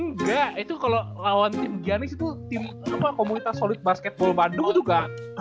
enggak itu kalau lawan tim giannis itu tim komunitas solid basketball bandung juga